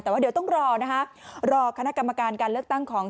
แต่ว่าเดี๋ยวต้องรอนะคะรอคณะกรรมการการเลือกตั้งของ